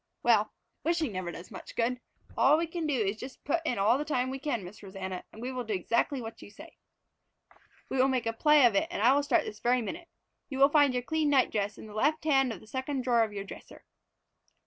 Well, wishing never does much good. All we can do is just put in all the time we can, Miss Rosanna, and we will do exactly what you say. We will make a play of it and I will start this very minute. You will find your clean night dress in the left hand end of the second drawer of your dresser."